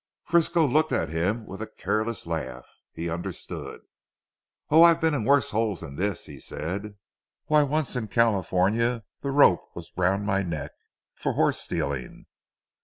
Frisco looked at him with a careless laugh. He understood, "Oh, I've been in worse holes than this," he said, "why once in California the rope was round my neck for horse stealing.